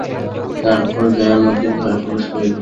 তারপর জয়া মতির ঘরে প্রবেশ করিল।